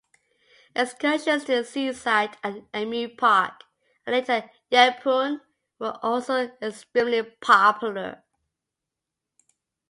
Excursions to the seaside at Emu Park and later Yeppoon were also extremely popular.